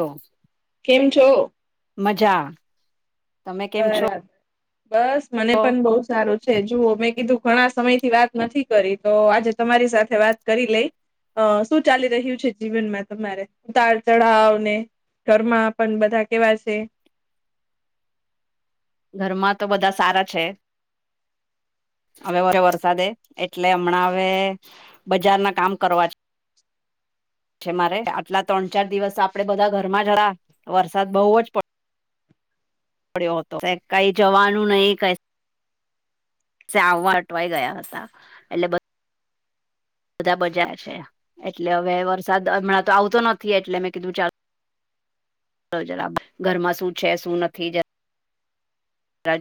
તો કેમ છો મજા તમે કેમ છો? બરાબર બસ મને પણ બહુ સારું જુઓ મેં કીધું ઘણા સમય થી વાત નથી કરી તો આજે તમારી સાથે વાત કરી લઈ અ શું ચાલી રહ્યું છે જીવનમાં તમારે ઉતાર ચઢાવને ઘરમાં પણ બધા કેવા છે ઘરમાં તો બધા સારા છે હવે વારે વરસાદે એટલે હમણાં હવે બજાર ના કામ કરવા છે છે મારે આટલા ત્રણ ચાર દિવસ આપડે બધા ઘરમાં જરા વરસાદ બહુ જ પડ પડ્યો હતો કઈ જવાનું નહીિ ક સાવવા અટવાય ગયા હતા એટલે બધા બજા છે એટલે હવે વરસાદ હમણાં તો આવતો નથી એટલે મેં કીધું ચાલ જરાબ ઘરમાં શું છે શું નથી જ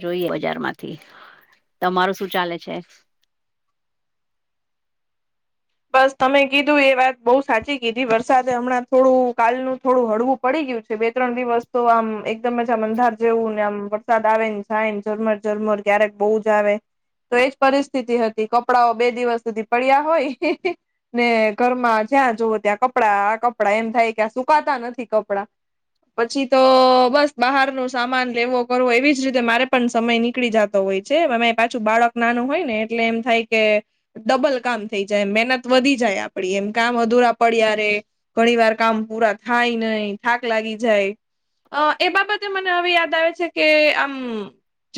જોઈએ બજાર માંથી તમારું શું ચાલે છે બસ તમે કીધું એ વાત બઉુ સાચી કીધી વરસાદ હમણાં થોડું કાલનુંું થોડું હળવું પડી ગયું છે બે ત્રણ દિવસ તો આમ એકદમ જ આમ અંધાર જેવું ને આમ વરસાદ આવેને થ ઝરમર ઝરમર ક્યારેક બહુ જ આવે તો એજ પરિસ્થિતિ હતી કપડાઓ બે દિવસ સુધી પડ્યા હોય ને ઘરમાં જ્યાં જવો ત્યાં કપડાં આ કપડાં એમ થાય કે સુકાતા નથી કપડાં પછી તો બસ બહાર ન સામાન લેવો કરવો એવીજ રીતે મારે પણ સમય નીકળી જતો હોય છે પાછું બાળક નાનું હોય ને એટલે એમ થાય કે ડબલ કામ થઈ મ મહેનત વધી જાય આપડી એમ કામ અધુરા પડય ર ઘણી વાર કામ પૂરા થાય નહ થાક લાગી જાય અ એ બાબતે મને હવે યાદ આવે છે કે આમ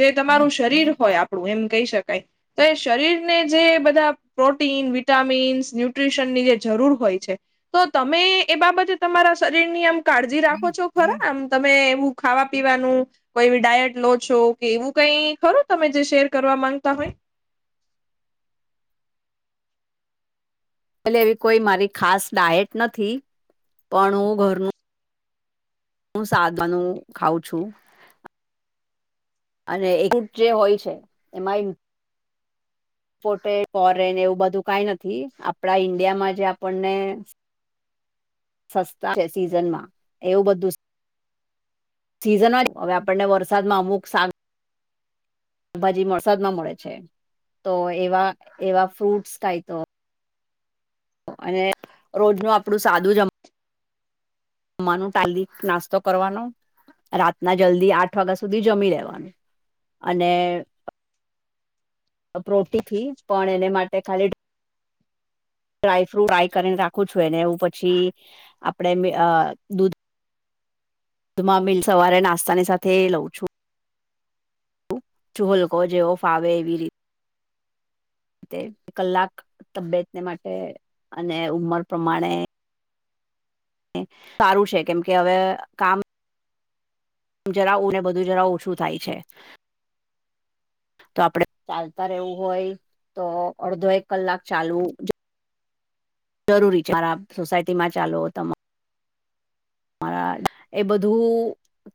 જે તમારું શરીર હોય એમ કહી શકાય તો એ શરીરને જે બધા પ્રોટીન વિટામીન્સ ન્યુટ્રીશનની જે જરૂર હોય છે તો તમે એ બાબતે તમારા શરીરની આમ કાળજી રાખો છો ખરા આમ તમે એવું ખાવા પીવાનું કોઈ એવી ડાયટ લો છો કે એવું કઈ ખરું તમે જે શેર કરવા માંગતા હોય એ એવી કોઈ મારી ખાસ ડાયટ નથી પણ હું ઘરનું હું સાદવાનું ખાઉં છું અને એક જે હોય છે એમાં એ ટે ફોરેન એવું બધું કઈ નથી આપડા ઈન્ડિયામાં જે આપણને સસ્તા છે સીઝનમાં એવું બધું સિઝનમાં જ હવે આપણને વરસાદમાં અમુક સા ભાજી વરસાદમાં મળે છે તો એવા એવા ફ્રૂટ્સ કાય તો. અને રોજ ન આપણું સાદું જમ જમવાનું ટાલી નાસ્તો કરવાનો રાતના જલ્દી આઠ વાગ્યા સુધી જમી રહેેવાનું. અને પ્રોટી ફથી પણ એને માટે ખાલી ડ્રાયફ્રુટ આ્રાય કરીને રાખું છુંને એવું પછી આપડે દૂધ માંમીલ સવારે નાસ્તાની સાથે લઉં છું ુલકો જેવો ફાવે એવી રીતે કલાક તબિયતને માટે અને ઉમર પ્રમાણે સારું છે કેમ કે હવે કામ જરાવું ને બધું જરાવું ઓછું થાય છે [inaudible] તો આપડે ચાલતા રહેવું હોય તો અડધો એક કલાક ચાલુ જરૂરી છે માર સોસાયટી માં ચાલો તમા મારા એ બધું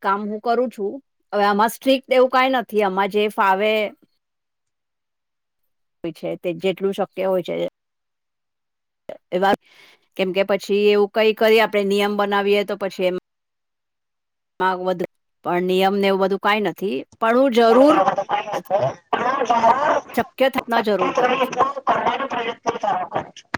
કામ હું કરું છું હવે આમાં સ્ટ્રીક એવું કઈ નથી આમાં જે ફાવે હોય છે તે જેટલું શક્ય હોય છે. એ કેમકે પછી એવું કઈ કરી આપડે નિયમ બનાવીએ તો પછી એ [unintelligible] પણ નિયમ ને એવું બધું કઈ નથી. પણ હું જરૂર [unintelligible] થપના શક્ય જરૂર કરું થોડી છું [inaudible]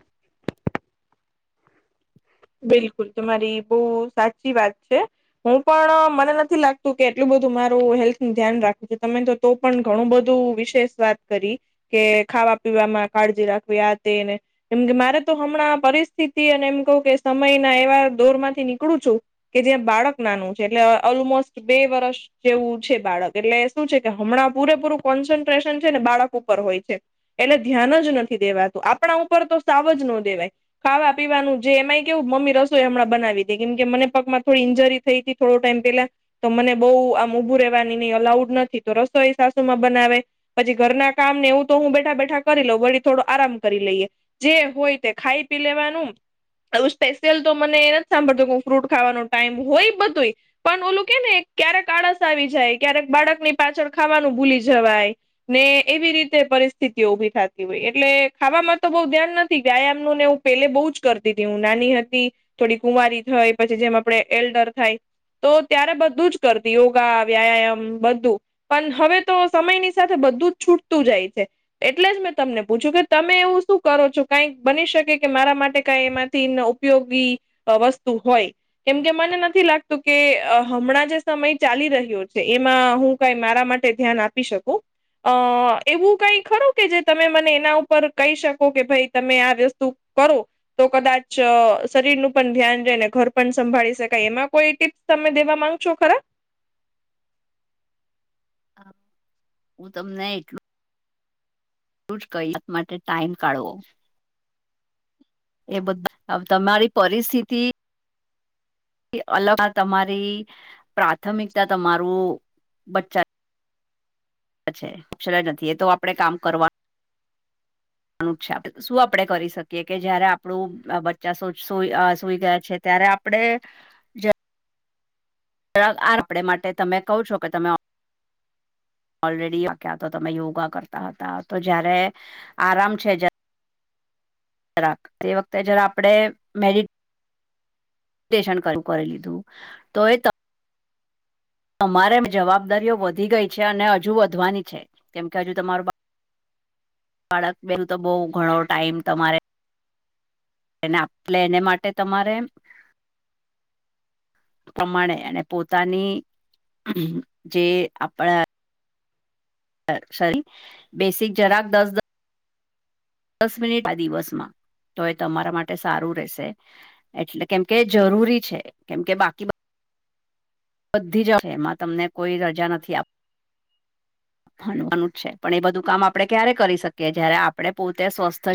બિલકુલ તમારી બહુ સાચી વાત છે. હું પણ મને નથી લાગતું કે એટલું બધું મારું હેલ્થ નું ધ્યાન રાખું છું તમે તો તો પણ ઘણું બધું વિશેષ વાત કરી કે ખાવા પીવામાં કાળજી રાખવી આ તેને એમ કે મારે તો હમણાં પરિસ્થિતિ અને એમ કહું કે સમયના એવા દોર માંથી નીકળું છું. કે જ્યાં બાળક નાનું છે એટલે ઓલમોસ્ટ બે વર્ષ જેવું છે બાળક એટલે શું છે કે હમણાં પૂરેપૂરું કોન્સન્ટ્રેશન છે ને બાળક ઉપર હોય છે. એટલે ધ્યાન જ નથી દેવાતું આપણા ઉપર તો સાવ જ ન દેવાય ખાવા પીવાનું જે એમાં એ કેવું મમ્મ રસોઈ હમણાં બનાવી દે કેમ કે મને પગમાં ઈંજરી થઈ હતી થોડો ટાઈમ પેલા તો મને બહુ આમ ઉભું રહેવાની નહી અલાઉડ નથી તો રસો એ સાસુમાં બનાવે. પછી ઘરના કામ ને એવું તો હું બેઠા બેઠા કરી લઉં વળી થોડું આરામ કરી લઈએ. જે હોય તે ખાઈ પી લેવાનું આવું સ્પેશિયલ તો મને એ નથી સાંભળતો કેું ફ્રૂટ ખાવાનો ટાઈમ હોય બધું પણ ઓલું કે ને ક્યારેક આળસ આવી જાય ક્યારેક બાળકની પાછળ ખાવાનું ભૂલી જવાય. ને એવી રીતે પરિસ્થિતિઓ ઉભી થતી હોય એટલે ખાવામાં તો બહ ધ્યાન નથી વ્યાયામ ન ને પેલે બહુ જ કરતી હતી હું નાની હતી થોડી કુમારી થઈ પછી જેમ આપડે એલ્ડર થાય તો ત્યારે બધું જ કરતી યોગા વ્યાયામ બધું પણ હવે તો સમયની સાથે બધું જ છૂટતું જાય છે. એટલે જ મેં તમને પૂછ્યું કે તમે એવું શું કરો છો કઈ બની શકે કે મારા માટે કઈ એમાંથી ઉપયોગી વસ્તુ હોય. કેમકે મને નથી લાગતું કે હમણાં જે સમય ચાલી રહ્યો છે એમાં હું કઈ મારા માટે ધ્યાન આપી શકું. અ એવું કઈ ખરું કે જે તમે મને એના ઉપર કહી શકો કે ભાઈ તમે આ વસ્તુ કરું. તો કદાચ શરીર નું પણ ધ્યાન રહે ને ઘર પણ સંભાળી શકાય એમાં કોઈ ટીપ્સ. તમે દેવા માંગ છો ખરા? હું તમને એટલું [unintelligible] માટે ટાઈમ કાઢવો એ બધું તમારી પરિસ્થિતિ અલગ તમારી પ્રાથમિકતા તમારું બચ્ચા લાય નથી એ તો આપણેે કામ કરવા [inaudible] અ શું આપડે કરી શકીએ કે જયારે આપણું બચ્ચા સઈ ગયા છે, ત્યારે આપડે આ આપડે માટે તમે કહ છો કે તમે ઓલરેડી આટલા તો તમે યોગા કરતા હતા તો જયારે આરામ છે જ તે વખતે જરા આપડે [unintelligible] કરી લીધું તો તમારે જવાબદારીઓ વધી ગઈ છે અને હજુ વધવાની છે કેમકે હજુ તમારો બાળક બેેલું તો બહું ઘણો ટાઈમ તમારે એને આપલે એને માટે તમારે પ્રમાણે અને પોતાની જે આપણા સ બેસિક જરાક દસ દસ દસ મિનિટ આ દિવસમાં તો એ તમારા માટે સારું રહેશે એટલે કેમકે જરૂરી છે કેમ કે બાકી બધી જ છે, એમાં તમને કોઈ રજા નથી આપ [inaudible] ભણવાનું જ છે પણ એ બધું કામ આપડે ક્યારે કરી શકીએ જયારે આપડણે પોતે સ્વસ્થ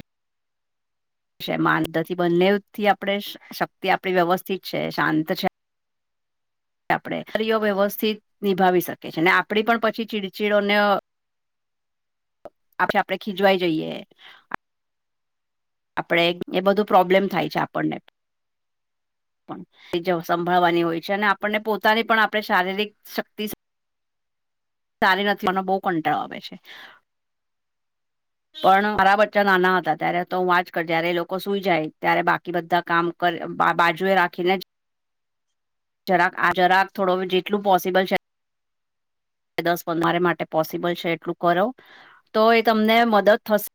મામાંનતાથી બંને થી આપણે શક્તિ આપડી વ્યવસ્થિત છે શાંત છે. આપણે ફરીઓ વ્યવસ્થિત નિભાવી શકીએ છીએ ને આપડી પણ પછી ચીડચીડોને [inaudible] [inaudible] આપે આપડે ખીજવાય જઈએ આપણે એ બધું પ્રોબ્લેમ થાય છે, આપણને સંભળવાની હોય છે, અને આપણને પોતાની પણ આપણે શારીરિક શક્તિ સારી રને બહુ કંટાળો આવે છે. પણ મારા બચ્ચા નાના હતા ત્યારે તો હું વા જ કર જય્યારે એ લોકો સુઈ જાય ત્યારે બાકી બધા કામ બાજુ એ રાખીને જરાક આ જરાક થોડો જેટલું પોસિબલ છે. દસ મારે માટે પોસિબલ છે એટલું કરો તો એ તમને મદદ થશે.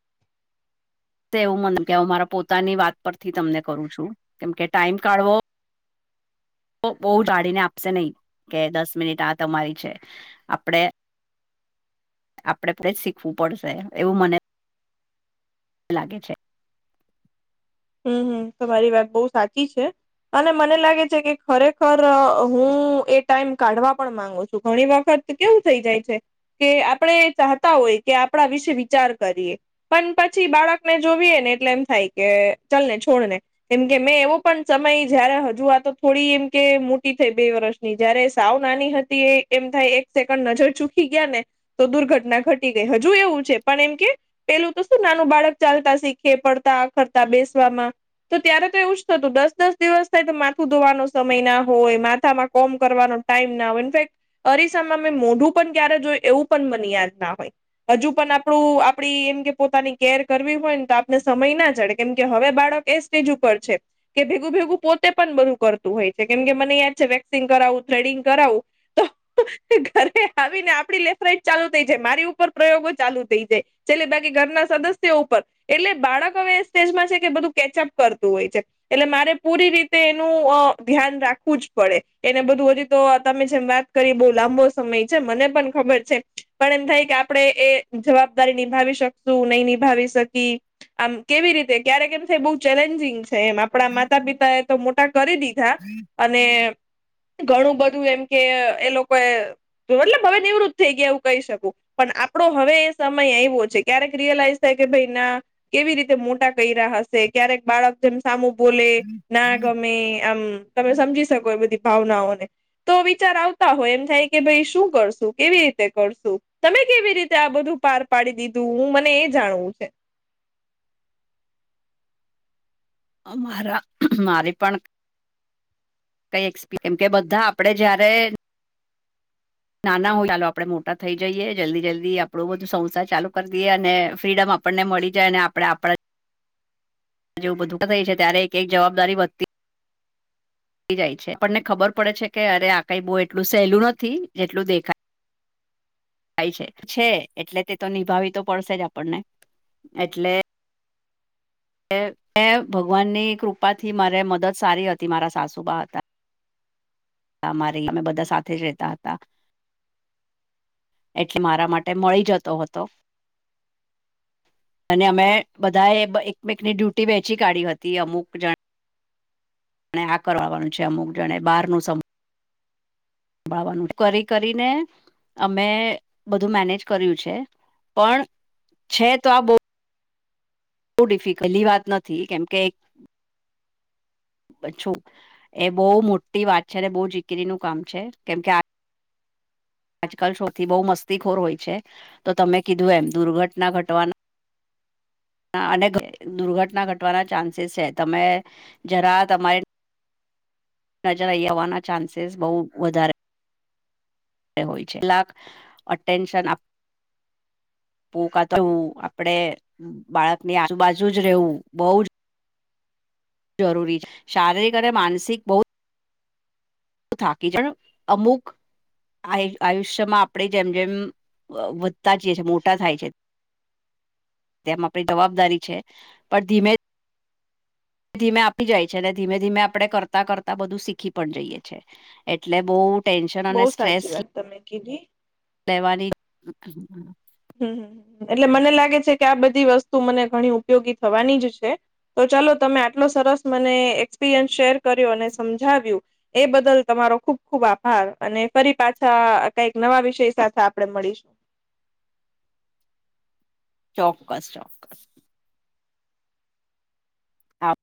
એવું મ કે હ મારા પોતાની વાત પરથી તમને કરું છું કેમ કે ટાઈમ કાઢવો તો બહુ જાાળીને આપશે નહીિ કે દસ મિનિટ આ તમારી છે, આપણેે આપડે પી જ શીખવું પડશે એવું મને લાગે છે. હમ હમ તમારી વાત બહુ સાચી છે. અને મને લાગે છે કે ખરેખર હું એ ટાઈમ કાઢવા પણ માંગુ છુ, ઘણી વખત તો કેવું થઈ જાય છે, કે આપણે ચાતા હોય કે આપણા વિશે વિચાર કરીએ પણ પછી બાળકને જોવીએ ને એટલે એમ થાય કે ચલ ને છોડ ને કેમ કે મેં એવો પણ સમય જયારે હજુ આતો થોડી એમ કે મોટી થઈ બે વર્ષ જયારે સાવ નાની હતી એ એમ થાય એક સેકન્ડ નજર ચૂકી ગયા ને તો દુર્ઘટના ઘટી ગઈ હજુ એવું છે, પણ એમ કે પેલું તો શું નાનું બાળક ચાલતા શીખે પડતા આખરતા બેસવામાં તો ત્યારે તો એવું જ થતું દસ દસ દિવસ થાય તો માથું ધોવાનો સમય ના હોય માથામાં કોમ કરવાનો ટાઈમ ના હોય ઇફેક્ટ અરીસામાં મેમે મોઢું પણ ક્યારે જોયું એવું પણ મને યાદ ના હોય. હજુ પણ આપણું આપડી એમ કે પોતાની કેર કરવી હોય ને તો આપને સમય ના ચડે કેમ કે હવે બાળક એ સ્ટેજ ઉપર છે. કે ભેગું ભેગું પોતે પણ બધું કરતું હોય છે, કેમ કે મને યાદ છે વેક્સિંગ કરાવું થ્રેડિંગ કરાવુ તો ઘરે આવીને આપડી લેફ્ટ રાઈટ ચાલુ થઈ જાય મારી ઉપર પ્રયોગો ચાલુ થઈ જાય. છેલ્લે બાકી ઘરના સદસ્યો ઉપર એટલે બાળક હવે જમાં છે કે બધું કેચઅપ કરતું હોય છે. એટલે મારે પૂરી રીતે એનું અ ધ્યાન રાખવું જ પડે એને બધું હજી તો તમે જેમ વાત કરી બહુ લાંબો સમય છે મને પણ ખબર છે. પણ એમ થાય કે આપણેે એ જવાબદારી નિભાવી શકશું નહી નિભાવી શકી આમ કેવી રીતે? ક્યારેક એમ છે એ બહુ ચેલેન્જિંગ છે એમ આપણા માતા પિતા એ તો મોટા કરી દીધા. અને ઘણું બધું એમ કે એ લોકો એ મતલબ હવે નિવૃત્ત થઈ ગયા એવું કહી શકુ પણ આપડો હવે એ સમય આવો છે, ક્યારેક રિયલાઈઝ થાય કે ભાઈ ના કેવી રીતે મોટા કર્યા હશે ક્યારેક બાળક જેમ સામું બોલે ના ગમે આમ તમે સમજી શકો એ બધી ભાવનાઓને તો વિચાર આવતા હોય એમ થાય કે ભાઈ શું કરશું કેવી રીતે કરશું તમે કેવી રીતે આ બધું પાર પાડી દીધું હું મને એ જાણવું છે. અમારા મારી પણ કઈ એક્સ પી કેમ કે બધા આપડે જયારે નાના હોય ચાલો આપડે મોટા થઈ જઈએ જલ્દી જલ્દી આપડું બધું સંસાર ચાલુ કરી દઈએ અને ફ્રીડમ આપ આપણને મળી જાય ને આપણે આપણા જેવુ બધું થઈ છે ત્યારે એક એક જવાબદારી વધતી તી જાય છે, આપણને ખબર પડે છે કે અરે આ કઈ બહુ એટલું સહેલું નથી જેટલું દેખાય ખાય છે. છે એટલે તે તો નિભાવી તો પડશે જ આપણને એટલે એ એ ભગવાનની કૃપાથી મારે મદદ સારી હતી મારા સાસુબા હતા. અમારી અમે બધા સાથે જ રેતા હતા. એટલે મારા માટે મળી જતો હતો. અને અમે બધાએ એકમેકની ડ્યુટી વેચી કાઢી હતી અમુક જણ ને આ કરવાનું છે અમુક જણે બારું બાવાનું કરી કરીને અમે બધું મેનેજ કર્યું છે પણ છે તો આ બો બવ ડિફિકલી વાત નથી કેમકે કછુ એ બહુ મોટી વાત છે અને બહુ ચીકરીનું કામ છે કેમ કે આ આજકાલ શોથી બહુ મસ્તીખોર હોય છે તો તમે કીધું એમ દુર્ઘટના ઘટવાના અને દુર્ઘટના ઘટવાના ચાન્સીસ છે. તમે જરા તમારી નજરઈ આવવાના ચાન્સીસ બહુ વધારે રે હોય છે. લાક અટેન્શન આપ પૂકાતવું આપડે બાળકની આજુબાજુ જ રહેવું બઉ જ જરૂરી છે. શારીરિક અને માનસિક બહુ થાકી જવા. અમુક આ આયુષ્યમાં આપણે જેમ જેમ વધતા જઈ છ, મોટા થાય છે. તેમ આપણી જવાબદારી છે. પણ ધીમે ધીમે આપી જાય છે અને ધીમે ધીમે આપડે કરતા કરતા બધું શીખી પણ જઈએ છેએ. એટલે બહુ ટેન્શન અને બહુ સ્ટ્રેસ સાચી વાત તમે કીધી લેવાની હમ્મ, એટલે મને લાગે છે કે આ બધી વસ્તુ મને ઘણી ઉપયોગી થવાની જ છે. તો ચાલો તમે આટલો સરસ મને એક્સપિરિયન્સ શેર કર્યો અને સમજાવ્યું. એ બદલ તમારો ખુબ ખુબ આભાર અને ફરી પાછા કઈક નવા વિષય સાથે આપડે મળીશું. ચોકસ ચો. હા.